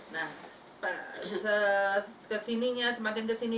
nah kesininya semakin kesini